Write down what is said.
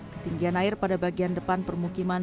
ketinggian air pada bagian depan permukiman